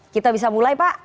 kita bisa mulai pak